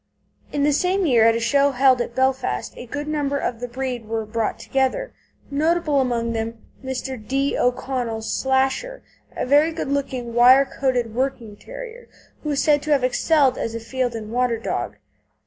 In the same year at a show held in Belfast a goodly number of the breed were brought together, notable among them being Mr. D. O'Connell's Slasher, a very good looking wire coated working terrier, who is said to have excelled as a field and water dog.